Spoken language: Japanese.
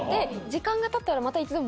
時間がたったらまた。